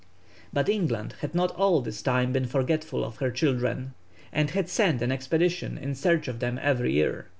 But England had not all this time been forgetful of her children, and had sent an expedition in search of them every year.